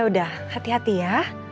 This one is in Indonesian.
udah hati hati ya